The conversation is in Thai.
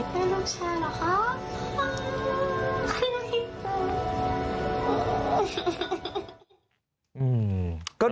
ได้ลูกชายเหรอคะ